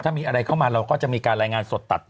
ถ้ามีอะไรเข้ามาเราก็จะมีการรายงานสดตัด